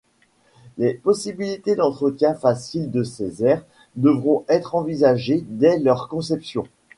Les possibilités d’entretien facile de ces aires devront être envisagées dès leur conception.